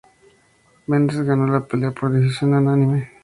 Mendes ganó la pelea por decisión unánime.